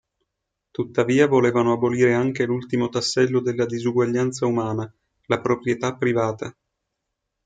Tuttavia volevano abolire anche l'ultimo tassello della disuguaglianza umana: la proprietà privata.